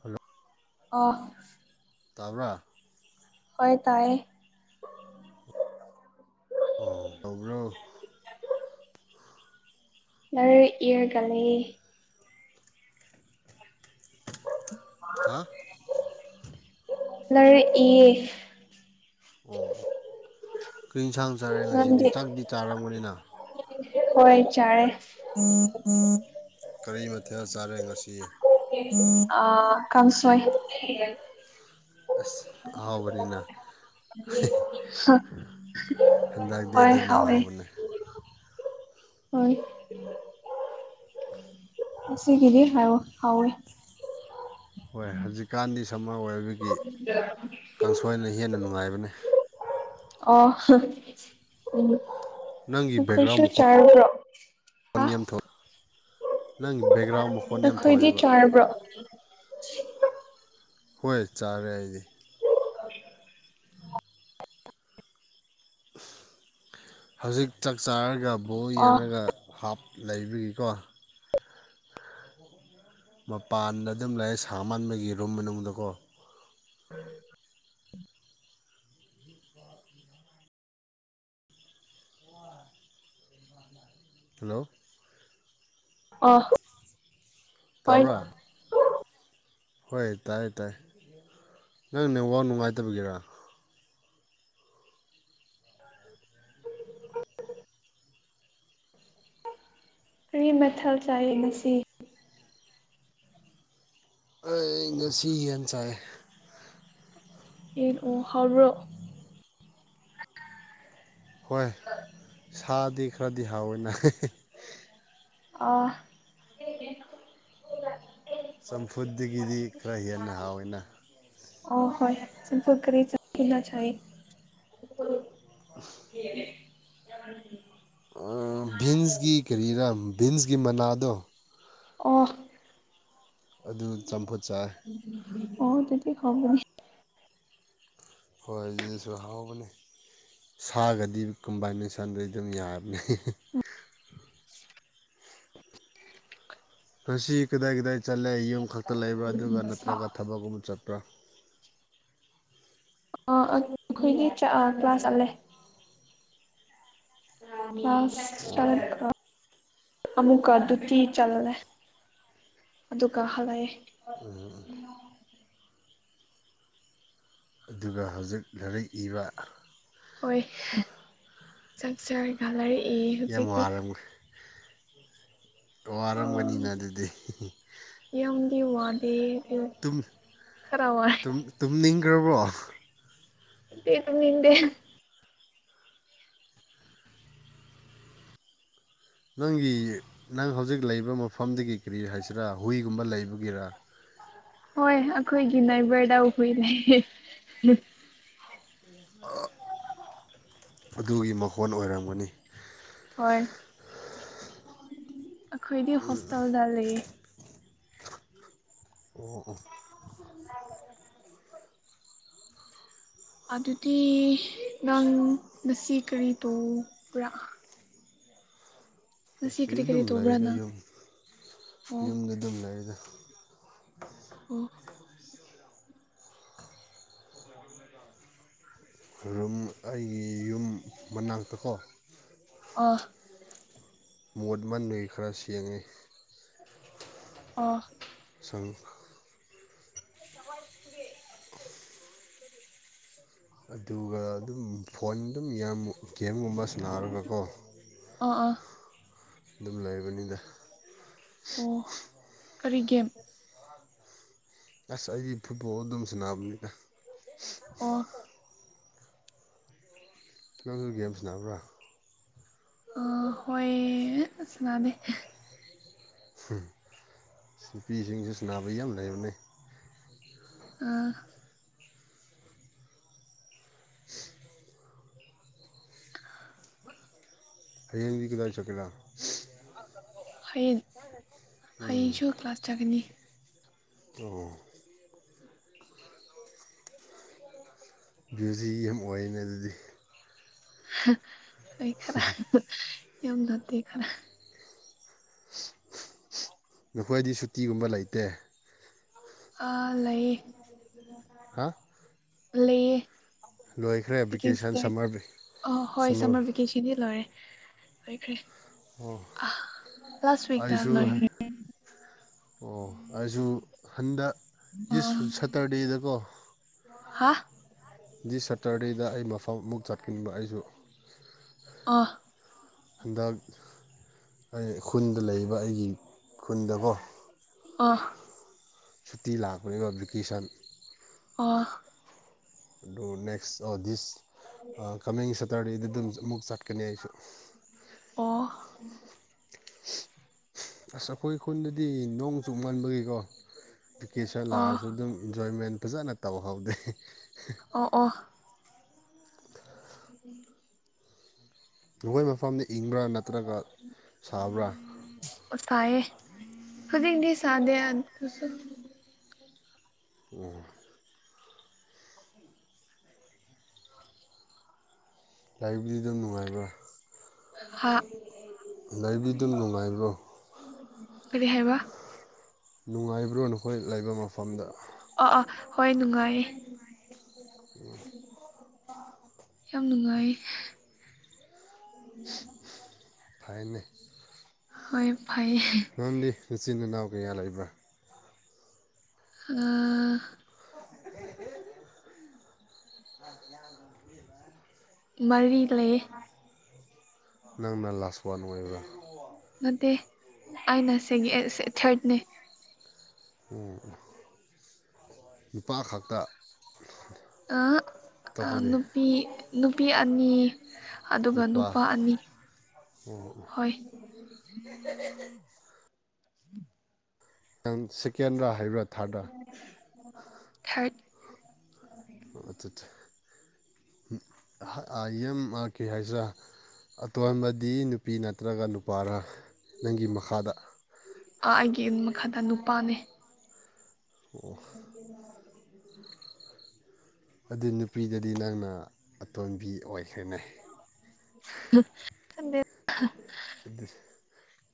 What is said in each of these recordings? ꯍꯂ ꯑꯣꯐ ꯇꯕ ꯍꯣꯏ ꯇꯥꯏ ꯑ ꯇ꯭ꯔꯣ ꯃꯔ ꯏꯒꯂ ꯍꯥ ꯂꯔ ꯑꯦ ꯑꯣ ꯑꯣ ꯀ ꯏꯟꯁꯥꯡ ꯆꯥꯔꯦ ꯉꯁꯤꯗꯤ ꯅꯪꯗꯤ ꯇꯥꯛꯗꯤ ꯇꯥꯔꯝꯒꯅꯤꯅ ꯍꯣꯏ ꯆꯥꯔꯦ ꯎ ꯎ ꯀꯔꯤ ꯃꯊꯦꯜ ꯆꯥꯔꯦ ꯉꯁꯤ ꯑ ꯀꯝꯁꯋꯥꯏ ꯑꯁ ꯑꯍꯥꯎꯕꯅꯤꯅ ꯅꯠꯇꯤꯌꯦ ꯍꯥ ꯍꯨꯍꯨ ꯍꯟꯗꯛꯇꯤ ꯍꯣꯏ ꯑꯗꯨꯅ ꯍꯥꯎꯋꯦ ꯍꯥꯎꯕꯅꯦ ꯍꯣꯏ ꯑꯁꯤꯒꯤꯗꯤ ꯍꯥꯎ ꯍꯥꯎꯋꯦ ꯍꯣꯏ ꯍꯧꯖꯤꯛꯀꯥꯟꯗꯤ ꯁꯝꯃꯔ ꯑꯣꯏꯕꯒꯤ ꯀꯥꯡꯁꯣꯏꯅ ꯍꯦꯟꯅ ꯅꯨꯡꯉꯥꯏꯕꯅꯤ ꯑꯣ ꯎꯝ ꯅꯪꯒꯤ ꯕꯦꯛꯒ꯭ꯔꯥꯎꯟ ꯑꯩꯈꯣꯏꯁꯨ ꯆꯥꯔꯕ꯭ꯔꯣ ꯃꯈꯣꯟ ꯍꯥ ꯌꯥꯝ ꯊꯣꯛꯑꯦ ꯅꯪ ꯕꯦꯛꯒ꯭ꯔꯥꯎꯟ ꯃꯈꯣꯟ ꯌꯥꯝ ꯊꯣꯛꯑꯦꯕ ꯆꯤ ꯍꯣꯏ ꯆꯥꯔꯦ ꯑꯩꯗꯤ ꯍꯧꯖꯤꯛ ꯆꯥꯛ ꯆꯥꯔꯒ ꯕꯣꯣꯔ ꯑꯣ ꯌꯦꯡꯉꯒ ꯍꯥꯞ ꯂꯩꯕꯒꯤꯀꯣ ꯃꯄꯥꯟꯗ ꯑꯗꯨꯝ ꯂꯩꯥꯛ ꯁꯍꯃꯟꯕꯒꯤ ꯔꯨꯝ ꯃꯅꯨꯡꯗꯀꯣ ꯎꯝ ꯍꯜꯂꯣ ꯑ ꯍ ꯇꯥꯕ꯭ꯔꯥ ꯍꯣꯏ ꯇꯥꯏ ꯇꯥꯏ ꯅꯪ ꯅꯋꯥ ꯅꯨꯡꯉꯥꯏꯇꯕꯒꯤꯔ [unintelligible] ꯀꯔꯤ ꯃꯊꯜ ꯆꯥꯏ ꯉꯁꯤ ꯑꯩ ꯉꯁꯤꯅꯁꯥꯏ ꯑꯦ ꯑꯣ ꯍꯥꯎ꯭ꯔ ꯍꯣꯏ ꯁꯥꯗꯤ ꯈꯔꯗꯤ ꯍꯥꯎꯋꯦꯅ ꯑ ꯆꯝꯐꯨꯠꯇꯒꯤꯗꯤ ꯈꯔ ꯍꯦꯟꯅ ꯍꯥꯎꯋꯦꯅ ꯑ ꯍꯣꯏ ꯆꯄꯀ ꯆꯅ ꯆ ꯍꯅꯦ ꯑꯩ ꯚꯤꯟꯁꯒꯤ ꯀꯔꯤꯔꯥ ꯚꯤꯟꯁꯒꯤ ꯃꯅꯥꯗꯣ ꯑꯣ ꯑꯗꯨ ꯆꯝꯐꯨꯠ ꯆꯥꯏ ꯑꯣ ꯑꯗꯨꯗꯤ ꯍꯥꯎꯕꯔꯅꯦ ꯍꯣꯏ ꯑꯗꯨꯁꯨ ꯍꯥꯎꯕꯅꯦ ꯁꯥꯒꯗꯤ ꯀꯨꯝꯕꯥꯏꯅꯦꯁꯟꯗꯤ ꯑꯗꯨꯝ ꯌꯥꯕꯅꯦ ꯎꯝ ꯉꯁꯤ ꯀꯗꯥꯏ ꯀꯗꯥꯏ ꯆꯠꯂꯦ ꯌꯨꯝ ꯈꯛꯇ ꯂꯩꯕ꯭ꯔꯥ ꯑꯗꯨꯒ ꯅꯠꯇ꯭ꯔꯒ ꯊꯕꯛꯀꯨꯝꯕ ꯆꯠꯄ꯭ꯔꯥ ꯑꯩ ꯑꯈꯣꯏꯒꯤ ꯆꯥ ꯀ꯭ꯂꯥꯁ ꯆꯠꯂꯦ ꯀꯂꯥ꯭ꯁ ꯑꯣ ꯀꯥꯅꯩ ꯈꯔ ꯑꯃꯨꯛꯀ ꯑꯗꯨꯗꯤ ꯆꯜꯂꯦ ꯑꯗꯨꯒ ꯍꯜꯂꯛꯑꯦ ꯎꯝ ꯑꯗꯨꯒ ꯍꯧꯖꯤꯛ ꯂꯥꯏꯔꯤꯛ ꯏꯕ ꯍꯣꯏ ꯆꯥꯛ ꯆꯥꯔꯒ ꯍꯜꯂꯛꯏ ꯌꯥꯝ ꯍꯧꯖꯤꯛꯇꯤ ꯇꫭꯋꯥꯔꯝꯒꯅꯤꯅ ꯑꯗꯨꯗꯤ ꯍꯤ ꯍꯤ ꯌꯥꯝꯗꯤ ꯋꯥꯗꯦ ꯑꯗꯨ ꯇꯨꯝ ꯈꯔ ꯋꯥꯏ ꯇꯨꯝ ꯇꯨꯝꯅꯤꯡꯈ꯭ꯔꯕꯣ ꯇꯨꯝꯗꯦ ꯇꯨꯝꯅꯤꯡꯗꯦ꯫ ꯅꯪꯒꯤ ꯅꯪ ꯍꯧꯖꯤꯛ ꯂꯩꯕ ꯃꯐꯝꯗꯒꯤ ꯀꯔꯤ ꯍꯥꯏꯁꯤꯔꯥ ꯍꯨꯏꯒꯨꯝꯕ ꯂꯩꯕꯒꯤꯔ ꯍꯣꯏ ꯑꯈꯣꯏꯒꯤ ꯅꯥꯏꯕ꯭ꯔꯗꯥ ꯍꯨꯏ ꯂꯩꯌꯦ ꯑ ꯑꯗꯨꯒꯤ ꯃꯈꯣꯟ ꯑꯣꯏꯔꯝꯒꯅꯤ ꯍꯣꯏ ꯑꯩꯈꯣꯏꯗꯤ ꯍꯣꯁꯇꯦꯜꯗ ꯂꯩꯌꯦ ꯑꯣ ꯑꫭ [unintelligible] ꯑꯗꯨꯗꯤ ꯅꯪ ꯉꯁꯤ ꯀꯔꯤ ꯇꯧꯕ꯭ꯔꯥ ꯉꯁꯤ ꯀꯔꯤ ꯀꯔꯤ ꯑꯗꯨꯝ ꯇꯧꯕ꯭ꯔꯥ ꯂꯩꯗ ꯅꯪ ꯌꯨꯝ ꯌꯨꯝꯗ ꯑꯣ ꯑꯗꯨꯝ ꯂꯩꯗ [unintelligible] ꯑꯣ ꯔꯨꯝ ꯑꯩꯒꯤ ꯌꯨꯝ ꯃꯅꯥꯛꯇꯀꯣ ꯑ ꯃꯣꯠ ꯃꯟꯕꯩ ꯈꯔ ꯁꯦꯡꯉꯦ ꯑ ꯑ [unintelligible] ꯑꯗꯨꯒ ꯑꯗꯨꯝ ꯐꯣꯟ ꯑꯗꯨꯝ ꯌꯥꯝꯃꯨꯛ ꯒꯦꯝꯒꯨꯝꯕ ꯁꯥꯟꯅꯔꯒꯀꯣ ꯑꯣ ꯑꯥ ꯑꯗꯨꯝ ꯂꯩꯕꯅꯤꯗ ꯑꯣ ꯀꯔꯤꯒꯦꯝ ꯑꯁ ꯑꯩꯗꯤ ꯐꯨꯠꯕꯣꯜ ꯑꯗꯨꯝ ꯁꯥꯟꯅꯕꯅꯤꯗ ꯑꯣ ꯅꯪ ꯒꯦꯝꯁꯥꯟꯅꯕ꯭ꯔꯥ ꯑꫭ ꯍꯣꯏ ꯁꯅꯥꯗꯦ ꯍꯨꯝ ꯅꯨꯄꯤꯁꯤꯡꯖꯨ ꯁꯥꯟꯅꯕ ꯌꯥꯝ ꯂꯩꯕꯅꯦ ꯑꯥ [inaudible] ꯍꯌꯦꯡꯗꯤ ꯀꯗꯥꯏ ꯆꯠꯀꯦꯔꯥ ꯍꯌꯦꯡ ꯎꯝ ꯍꯌꯦꯡꯁꯨ ꯀ꯭ꯂꯥꯁ ꯆꯠꯀꯅꯤ ꯑꯣ [unintelligible] ꯕꯤꯎꯖꯤ ꯌꯥꯝ ꯑꯣꯏꯅꯦ ꯑꯗꯨꯗꯤ ꯍꯣꯏ ꯈꯔ ꯌꯥꯝ ꯅꯠꯇꯦ ꯈꯔ ꯅꯈꯣꯏꯗꯤ ꯁꯨꯇꯤꯒꯨꯝꯕ ꯂꯩꯇꯦ ꯑꯥ ꯂꯩꯌꯦ ꯍꯥ ꯂꯩꯌꯦ ꯂꯣꯏꯈ꯭ꯔꯦ ꯁꯦꯀꯦꯟ ꯚꯦꯀꯦꯁꯟ ꯁ꯭ꯇꯦꯞ ꯁꯝꯃꯔ ꯑ ꯍꯣꯏ ꯁꯝꯃꯔ ꯚꯦꯀꯦꯁꯟꯗꯤ ꯂꯣꯏꯔꯦ ꯂꯣꯏꯈ꯭ꯔꯦ ꯑꯣ ꯑ ꯂꯥꯁ ꯋꯤꯛꯇ ꯑꯩꯁꯨ ꯂꯣꯏꯈ꯭ꯔꯦ ꯑꯣ ꯑꯗꯨꯁꯨ ꯍꯟꯗꯛ ꯗꯤꯁ ꯁꯇꯔꯗꯦꯗꯀꯣ ꯍꯥꯥ ꯗꯤꯁ ꯁꯇꯔꯗꯦꯗ ꯑꯩ ꯃꯐꯝ ꯑꯃꯨꯛ ꯆꯠꯀꯅꯤꯕ ꯑꯩꯁꯨ ꯑ ꯍꯟꯗꯛ ꯑꯩ ꯈꯨꯟꯗ ꯂꯩꯕ ꯑꯩꯒꯤ ꯈꯨꯟꯗꯀꯣ ꯑꯣ ꯁꯨꯇꯤ ꯂꯥꯛꯄꯅꯤꯕ ꯕꯤꯀꯦꯁꯟ ꯑꯣ ꯑꯗꯨ ꯅꯦꯛꯁ ꯑꯣ ꯗꯤꯁ ꯑ ꯀꯃꯤꯡ ꯁꯦꯇꯔꯗꯦꯗ ꯑꯗꯨꯝ ꯑꯃꯨꯛ ꯆꯠꯀꯅꯤ ꯑꯩꯁꯨ ꯑꯣ ꯑꯁ ꯑꯈꯣꯏ ꯈꯨꯟꯗ ꯗꯤ ꯅꯣꯡ ꯆꯨꯃꯟꯕꯒꯤꯀꯣ ꯚꯤꯀꯦꯁꯟ ꯑꯣ ꯂꯥꯛꯑꯁꯨ ꯑꯗꯨꯝ ꯏꯟꯖꯣꯏꯃꯦꯟ ꯐꯖꯅ ꯇꯧꯍꯧꯗꯦ ꯑꯣ ꯑꯣ [inaudible] ꯅꯈꯣꯏ ꯃꯐꯝꯗ ꯏꯪꯕ꯭ꯔꯥ ꯅꯠꯇ꯭ꯔꯒ ꯁꯥꯕ꯭ꯔꯥ ꯍꯧꯖꯤꯛꯗꯤ ꯁꯥꯗꯦ ꯗꯨꯁꯨ ꯑꯣ ꯂꯩꯕꯗꯤ ꯑꯗꯨꯝ ꯅꯨꯡꯉꯥꯏꯕ꯭ꯔꯥ ꯍꯥ ꯂꯩꯕꯗꯤꯗꯨꯝ ꯅꯨꯡꯉꯥꯏꯕ꯭ꯔꯣ ꯀꯔꯤ ꯍꯥꯏꯕ ꯅꯨꯡꯉꯥꯏꯕ꯭ꯔꯣ ꯅꯈꯣꯏ ꯂꯩꯕ ꯃꯐꯝꯗꯣ ꯑꯥ ꯑꯥ ꯍꯣꯏ ꯅꯨꯡꯉꯥꯏꯌꯦ ꯎꯝ [inaudible] ꯌꯥꯝ ꯅꯨꯡꯉꯥꯏ ꯊꯥꯏꯃꯦ ꯍꯣꯏ ꯐꯩꯌꯦ ꯏꯆꯤꯟ ꯏꯅꯥꯎ ꯀꯌꯥ ꯂꯩꯕ꯭ꯔꯥ ꯑꯥ ꯃꯔꯤ ꯂꯩꯌꯦ ꯅꯪꯅ ꯂꯁ ꯋꯥꯟ ꯑꯣꯏꯕ꯭ꯔꯥ ꯑꯩꯅ ꯁꯤꯒꯤ ꯊ꯭ꯔꯠꯅꯦ ꯑꯣ ꯅꯨꯄꯥ ꯈꯛꯇ ꯑ ꯑꯇꯣꯞꯄꯗꯤ ꯅꯨꯄꯤ ꯅꯨꯄꯤ ꯑꯅꯤ ꯑꯗꯨꯒ ꯅꯨꯄꯥ ꯑꯅꯤ ꯍꯣꯏ ꯁꯦꯀꯦꯟꯔ ꯍꯥꯏꯕ꯭ꯔꯥ ꯊꯥ꯭ꯔꯗꯔꯥ ꯊ꯭ꯔꯗ ꯑꯣ ꯑꯗꯨꯠꯇ [inaudible] ꯑ ꯑꯦꯝ ꯑꯥ ꯀꯩ ꯍꯥꯏꯁꯤꯔꯥ ꯑꯇꯣꯟꯕꯗꯤ ꯅꯨꯄꯤ ꯅꯠꯇ꯭ꯔꯒ ꯅꯨꯄꯥꯔꯥ ꯅꯪꯒꯤ ꯃꯈꯥꯗ ꯑ ꯑꯩꯒꯤ ꯃꯈꯥꯗ ꯅꯨꯄꯥꯅꯦ ꯑꯣ [unintelligible] ꯑꯗꯨ ꯅꯨꯄꯤꯗꯗꯤ ꯅꯪꯅ ꯑꯇꯣꯝꯕꯤ ꯑꯣꯏꯈ꯭ꯔꯦꯅꯦ ꯈꯪꯗꯦꯗ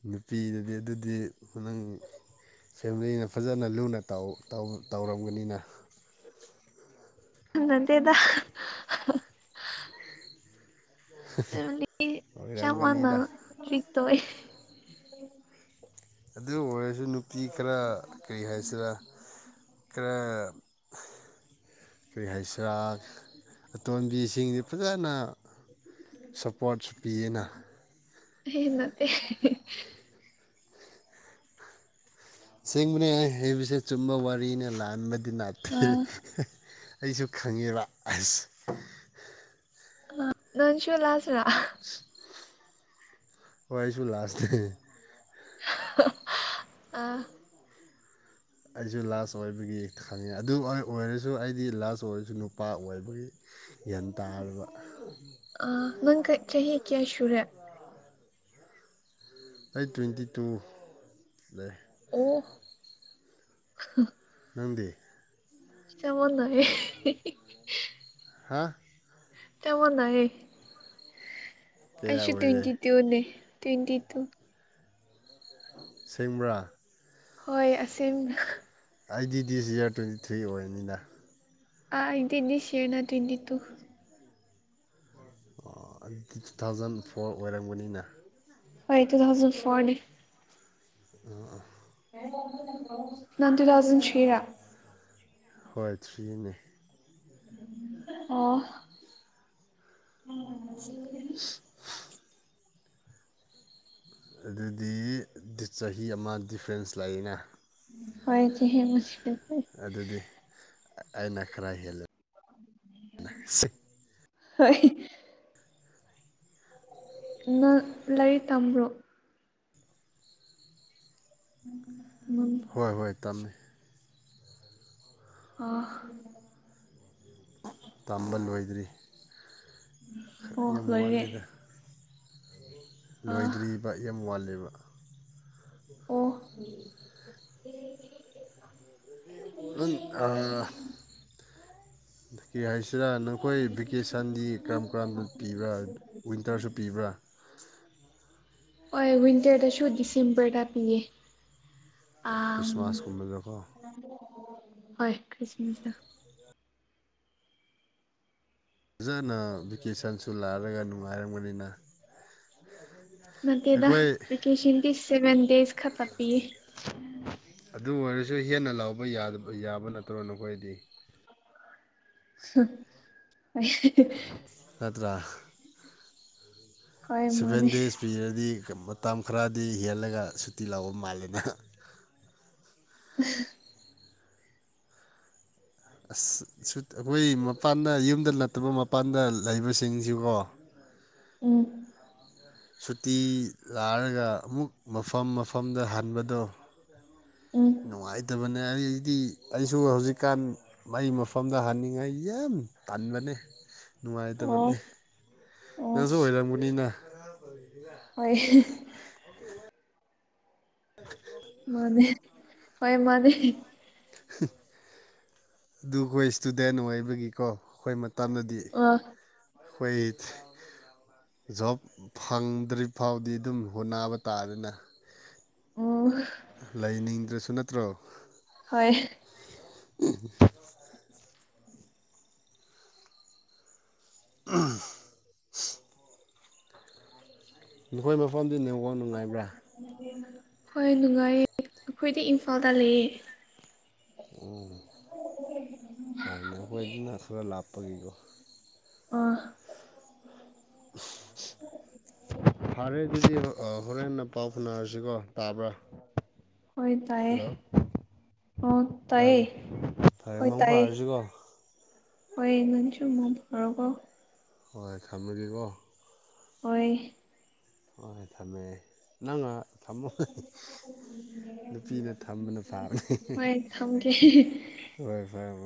ꯅꯨꯄꯤꯅꯗꯤ ꯑꯗꯨꯗꯤ ꯅꯪ ꯐꯖꯅ ꯂꯨꯅ ꯇꯧꯔꯝꯒꯅꯤꯅ ꯅꯠꯇꯦꯗ ꯆꯃꯅ ꯑꯣꯏꯔꯝꯒꯅꯤꯗ ꯇ [inaudible] ꯑꯗꯨ ꯑꯣꯏꯔꯁꯨ ꯄꯤ ꯈꯔ ꯀꯔꯤ ꯍꯥꯏꯁꯤꯔ ꯈꯔ ꯀꯩ ꯍꯩꯁꯔꯥ ꯑꯇꯣꯝꯕꯤꯁꯤꯡꯁꯤ ꯐꯖꯅ ꯁꯞꯄꯣꯔꯠꯁꯨ ꯄꯤꯌꯦꯅ ꯍꯥ ꯍꯥ ꯅꯠꯇꯦ ꯑꯁꯦꯡꯕꯅꯦ ꯑꯩꯅ ꯍꯩꯕꯁꯦ ꯆꯨꯝꯕ ꯋꯥꯔꯤꯅ ꯂꯥꯟꯕꯗꯤ ꯅꯥꯠꯇꯦ ꯑꯩꯁꯨ ꯈꯪꯉꯦꯕ ꯑꯁ ꯅꯪꯁꯨ ꯂꯥꯁ꯭ꯔꯥ ꯍꯣꯏ ꯑꯩꯁꯨ ꯂꯥꯁꯅꯦ ꯑꯥ ꯑꯩꯁꯨ ꯂꯥꯁ ꯑꯣꯏꯕꯒꯤ ꯈꯪꯉꯦ ꯑꯗꯨ ꯑꯣꯏꯔꯁꯨ ꯑꯩꯗꯤ ꯂꯥꯁ ꯑꯣꯏꯔꯁꯨ ꯅꯨꯄꯥ ꯑꯣꯏꯕꯒꯤ ꯒ꯭ꯌꯥꯟ ꯇꯥꯔꯕ ꯑ ꯅꯪ ꯆꯍꯤ ꯀꯌꯥ ꯁꯨꯔꯦ ꯑꯩ ꯇ꯭ꯋꯦꯟꯇꯤ ꯇꯨ ꯂꯩ ꯑꯣ ꯅꯪꯗꯤ ꯆꯥꯟ ꯃꯥꯟꯅꯩꯌꯦ ꯍꯥꯥ ꯆꯥꯞ ꯃꯥꯟꯅꯩꯌꯦ ꯀꯌꯥ ꯑꯩꯁꯨ ꯑꯣꯏꯔꯦ ꯇ꯭ꯋꯟꯇꯤ ꯇꯨꯅꯦ ꯇ꯭ꯋꯦꯟꯇꯤ ꯇꯨ ꯑꯁꯦꯡꯕꯔꯥ ꯍꯣꯏ ꯑꯁꯦꯝ ꯑꯩꯗꯤ ꯗꯤꯁ ꯏꯌꯥꯔ ꯇ꯭ꯋꯦꯟꯇꯤ ꯊ꯭ꯔꯤ ꯑꯣꯏꯕꯅꯤꯅ ꯑꯩ ꯗꯤ ꯗꯤꯁ ꯏꯌꯥꯔ ꯗꯤ ꯇ꯭ꯌꯦꯟꯇꯤ ꯇꯨ ꯑꯗꯨꯗꯤ ꯇꯨ ꯊꯥꯎꯖꯟ ꯐꯣꯔ ꯑꯣꯏꯔꯝꯒꯅꯤꯅ ꯍꯣꯏ ꯇꯨ ꯊꯥꯎꯖꯟ ꯐꯣꯔꯅꯦ ꯑꯥ ꯅꯪ ꯗꯨꯊꯥꯎꯖꯟ ꯊ꯭ꯔꯤ ꯍꯣꯏ ꯊ꯭ꯔꯤꯅꯦ ꯑꯣ ꯑꯪ ꯁꯤ [inaudible] [unintelligible] ꯑꯗꯨꯗꯤ ꯆꯍꯤ ꯑꯃ ꯗꯤꯐ꯭ꯔꯦꯟꯁ ꯂꯩꯥꯅꯦ ꯍꯣꯏ ꯆꯦꯍꯤ ꯕꯨꯗꯤ ꯑꯗꯨꯗꯤ ꯑꯩꯅ ꯈꯔ ꯍꯦꯜꯂꯦ ꯍꯣꯢ ꯅꯪ ꯂꯥꯏꯔꯤꯛ ꯇꯝꯕ꯭ꯔꯣ ꯎꯝ ꯍꯣꯏ ꯍꯣꯏ ꯇꯝꯃꯦ ꯑꯥ ꯇꯝꯕ ꯂꯣꯏꯗ꯭ꯔꯤ ꯑꯣ ꯌꯥꯝ ꯂꯣꯢꯔꯦ ꯋꯥꯠꯂꯤꯗ ꯂꯣꯏꯗ꯭ꯔꯤꯕ ꯌꯥꯝ ꯋꯥꯠꯂꯦꯕ ꯑꯣ [unintelligible] ꯅꯪ ꯀ ꯍꯥꯏꯁꯤꯔꯥ ꯅꯈꯣꯏ ꯚꯦꯀꯦꯁꯟꯗꯤ ꯀꯔꯝ ꯀꯔꯝꯕꯗ ꯄꯤꯕ꯭ꯔꯥ ꯋꯤꯟꯇꯔꯁꯨ ꯄꯤꯕ꯭ꯔꯥ ꯍꯣꯏ ꯋꯤꯟꯇꯔꯗꯁꯨ ꯗꯤꯁꯦꯝꯕꯔꯗ ꯄꯤꯌꯦ ꯑ ꯈ꯭ꯔꯤꯁꯃꯥꯁꯀꯨꯝꯕꯗꯀꯣ ꯍꯣꯏ ꯈ꯭ꯔꯤꯁꯃꯤꯥꯁꯗ ꯐꯖꯅ ꯚꯦꯀꯦꯁꯟꯁꯨ ꯂꯥꯛꯂꯒ ꯅꯨꯡꯉꯥꯏꯔꯝꯒꯅꯤꯅ ꯅꯠꯇꯦꯗꯥ ꯑꯩꯈꯣꯏ ꯚꯦꯀꯦꯁꯟꯗꯤ ꯁꯦꯕꯦꯟ ꯗꯦꯁ ꯈꯛꯇ ꯄꯤꯦ ꯑꯗꯨ ꯑꯣꯏꯔꯁꯨ ꯍꯦꯟꯅ ꯂꯥꯎꯕ ꯌꯥꯕ ꯅꯠꯇ꯭ꯔꯣ ꯅꯈꯣꯏꯗꯤ [unintelligible] ꯅꯠꯇ꯭ꯔꯥ ꯍꯣꯏ ꯁꯚꯦꯟ ꯃꯥꯅꯦ ꯗꯦꯖ ꯄꯤꯔꯗꯤ ꯃꯇꯝ ꯈꯔꯗꯤ ꯍꯦꯜꯂꯒ ꯁꯨꯇꯤ ꯂꯥꯎꯕ ꯃꯥꯜꯂꯦꯅ [unintelligible] ꯑꯁ ꯑꯩꯈꯣꯏ ꯃꯄꯥꯟꯗ ꯌꯨꯝꯗ ꯅꯠꯇꯕ ꯃꯄꯥꯟꯗ ꯂꯩꯕꯁꯤꯡꯁꯤꯀꯣ ꯎꯝ ꯁꯨꯇꯤ ꯂꯥꯔꯒ ꯑꯃꯨꯛ ꯃꯐꯝ ꯃꯐꯝꯗ ꯍꯟꯕꯗꯣ ꯎꯝ ꯅꯨꯡꯉꯥꯏꯇꯕꯅꯤ ꯑꯩꯗꯤ ꯑꯩꯁꯨ ꯍꯧꯖꯤꯛꯀꯥꯟ ꯑꯩꯩ ꯃꯐꯝꯗ ꯍꯅꯤꯡꯉꯥꯏ ꯌꯥꯝ ꯇꯟꯕꯅꯦ ꯑꯣ ꯅꯨꯡꯉꯥꯏꯇꯕꯅꯦ ꯑꯣ ꯅꯪꯁꯨ ꯑꯣꯏꯔꯝꯒꯅꯤꯅ ꯍꯣꯏ ꯃꯥꯅꯤ ꯍꯣꯏ ꯃꯥꯅꯦ ꯑꯗꯨ ꯑꯩꯈꯣꯏ ꯏꯁꯇꯨꯗꯦꯟ ꯑꯣꯏꯕꯒꯤꯀꯣ ꯑꯩꯈꯣꯏ ꯇꯥꯟꯅꯗꯤ ꯑ ꯑꯩꯈꯣꯏ ꯖꯣꯕ ꯐꯪꯗ꯭ꯔꯤ ꯐꯥꯎꯗꯤ ꯑꯗꯨꯝ ꯍꯣꯠꯅꯕ ꯇꯥꯗꯅ ꯑꯣ ꯂꯩꯅꯤꯡꯗ꯭ꯔꯁꯨ ꯅꯠꯇ꯭ꯔꯣ ꯍꯣꯏ [unintelligible] [unintelligible] ꯅꯈꯣꯏ ꯃꯐꯝꯗꯤ ꯅꯦꯡꯋꯥꯛ ꯅꯨꯡꯉꯥꯏꯕ꯭ꯔꯥ ꯍꯣꯏ ꯅꯨꯡꯉꯥꯏꯌꯦ ꯑꯩꯈꯣꯏꯗꯤ ꯏꯝꯐꯥꯜꯗ ꯂꯩꯌꯦ ꯎꯝ ꯐꯔꯅꯦ ꯑꯩꯈꯣꯏ ꯑꯗꯨꯅ ꯈꯔ ꯂꯥꯞꯄꯒꯤꯀꯣ ꯑ ꯐꯔꯦ ꯑꯗꯨꯗꯤ ꯍꯣꯔꯦꯟꯅ ꯄꯥꯎ ꯐꯥꯎꯅꯔꯁꯤꯀꯣ ꯇꯥꯕ꯭ꯔꯥ ꯍꯣꯏ ꯇꯥꯏꯌꯦ ꯍꯜꯂꯣ ꯑꯣ ꯇꯥꯏꯌꯦ ꯇꯥꯕ꯭ꯔꯥ ꯐꯔꯦ ꯍꯣꯏ ꯃꯪ ꯇꯥꯏꯌꯦ ꯐꯥꯔꯁꯤꯀꯣ ꯍꯣꯏ ꯅꯪꯁꯨ ꯃꯪ ꯐꯔꯣꯀꯣ ꯍꯣꯏ ꯊꯝꯃꯒꯦꯀꯣ ꯑꯣꯏ ꯍꯣꯏ ꯊꯝꯃꯦ ꯅꯉꯥ ꯊꯝꯃꯣ ꯅꯨꯄꯤꯅ ꯊꯝꯕꯅ ꯐꯥꯕꯅꯦ ꯍꯣꯏ ꯊꯝꯒꯦ ꯍꯣꯏ ꯐꯔꯦ